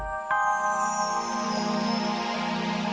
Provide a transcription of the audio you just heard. pokoknya munichura juga dengerin pak